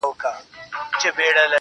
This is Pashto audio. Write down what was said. د زلفو تار يې د سپين مخ پر دايره راڅرخی_